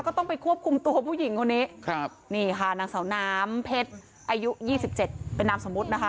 ก็ต้องไปควบคุมตัวผู้หญิงคนนี้ครับนี่ค่ะนางสาวน้ำเพชรอายุ๒๗เป็นนามสมมุตินะคะ